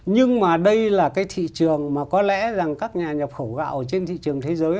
nhưng mà đây là cái thị trường mà có lẽ rằng các nhà nhập khẩu gạo ở trên thị trường thế giới